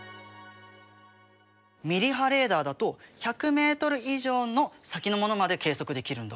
ミリ波レーダーだと１００ｍ以上の先のものまで計測できるんだって。